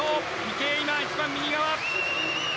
池江今一番右側。